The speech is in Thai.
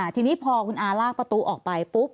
ทีนี้พอคุณอาลากประตูออกไปปุ๊บ